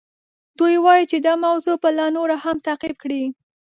دوی وایي چې دا موضوع به لا نوره هم تعقیب کړي.